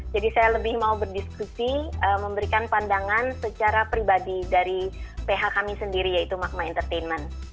jadi saya lebih mau berdiskusi memberikan pandangan secara pribadi dari ph kami sendiri yaitu magma entertainment